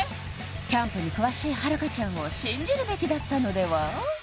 キャンプに詳しい遥ちゃんを信じるべきだったのでは？